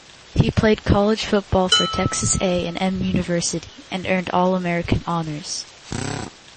He played college football for Texas A and M University, and earned All-American honors.